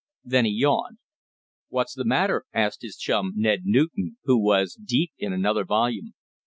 Then he yawned. "What's the matter?" asked his chum, Ned Newton, who was deep in another volume.